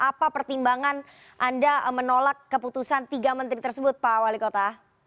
apa pertimbangan anda menolak keputusan tiga menteri tersebut pak wali kota